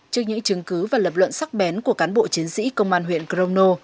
trước những chứng cứ và lập luận sắc bén của cán bộ chiến sĩ công an huyện crono